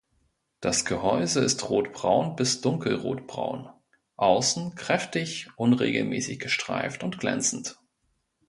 Das Gehäuse ist rotbraun bis dunkelrotbraun; außen kräftig unregelmäßig gestreift und glänzend.